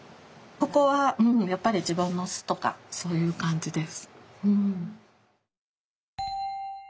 ここはうんやっぱり自分の巣とかそういう感じです。